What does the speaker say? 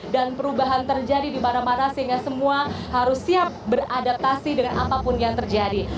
dan perubahan terjadi di mana mana sehingga semua harus siap beradaptasi dengan apapun yang terjadi